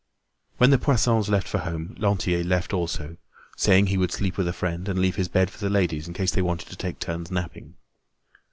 When the Poissons left for home, Lantier left also, saying he would sleep with a friend and leave his bed for the ladies in case they wanted to take turns napping.